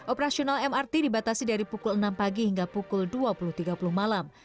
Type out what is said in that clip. operasional mrt dibatasi dari pukul enam pagi hingga pukul dua puluh tiga puluh malam